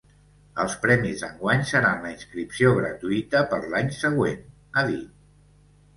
“Els premis d’enguany seran la inscripció gratuïta per l’any següent”, ha dit.